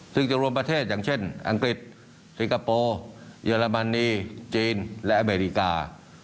ซึ่งจะรวมประเทศอย่างเช่นอังกฤษสิงคโปร์เยอรมนีจีนและอเมริกา